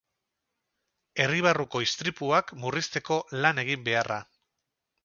Herri-barruko istripuak murrizteko lan egin beharra.